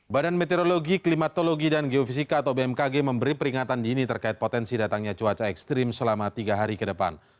badan meteorologi klimatologi dan geofisika atau bmkg memberi peringatan dini terkait potensi datangnya cuaca ekstrim selama tiga hari ke depan